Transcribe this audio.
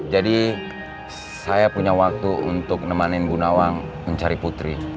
jadi saya punya waktu untuk nemanin bu nawang mencari putri